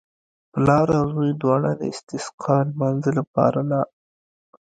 پلار او زوی دواړو د استسقا لمانځه لپاره.